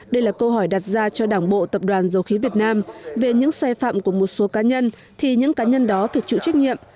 đây là câu hỏi đặt ra cho đảng bộ tập đoàn dầu khí việt nam về những sai phạm của một số cá nhân thì những cá nhân đó phải chịu trách nhiệm